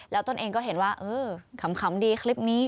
แล้วตนเองก็เห็นว่าเออขำดีคลิปนี้